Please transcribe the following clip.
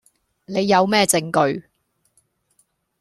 你有咩證據?